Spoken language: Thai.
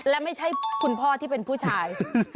และไม่ใช่คุณพ่อที่เป็นผู้ชาย